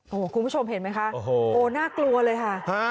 โอ้โหคุณผู้ชมเห็นไหมคะโอ้โหน่ากลัวเลยค่ะ